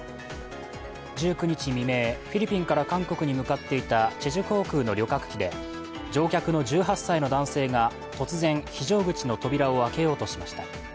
１９日未明、フィリピンから韓国に向かっていたチェジュ航空の旅客機で乗客の１８歳の男性が突然、非常口の扉を開けようとしました。